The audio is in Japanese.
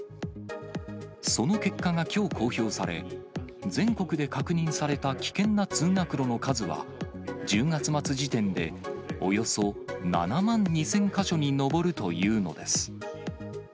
その結果がきょう、公表され、全国で確認された危険な通学路の数は、１０月末時点で、およそ７万２０００か所に上るというのです。